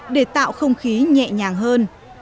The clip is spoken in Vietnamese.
để tạo không khí nhẹ nhàng hơn